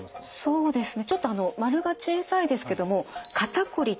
そうですか。